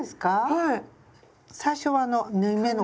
はい。